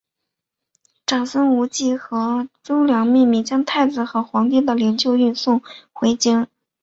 长孙无忌和褚遂良秘密将太子和皇帝的灵柩运送回京。